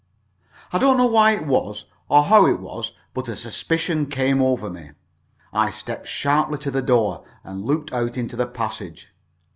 I don't know why it was, or how it was, but a suspicion came over me. I stepped sharply to the door, and looked out into the passage.